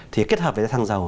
thì kết hợp với cái thăng dầu